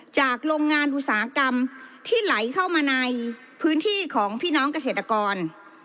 โรงงานอุตสาหกรรมที่ไหลเข้ามาในพื้นที่ของพี่น้องเกษตรกร